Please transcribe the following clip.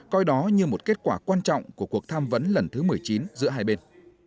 coi đó như một kết quả quan trọng của cuộc tham vấn lần thứ một mươi chín giữa hai bên